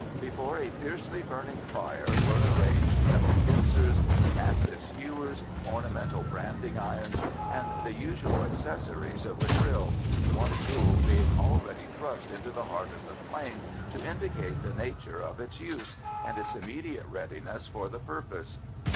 Before a fiercely burning fire were arranged metal pincers, massive skewers, ornamental branding irons, and the usual accessories of the grill, one tool being already thrust into the heart of the flame to indicate the nature of its use, and its immediate readiness for the purpose.